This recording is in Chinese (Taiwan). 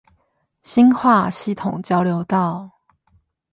新化系統交流道